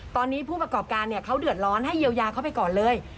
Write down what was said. ตอนนี้ผู้ประกอบการเขาเดือดร้อนให้เยียวยาเขาไปก่อนเลย